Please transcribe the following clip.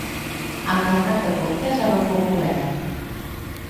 El càrrec de comte ja no fou cobert.